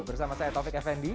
bersama saya taufik effendi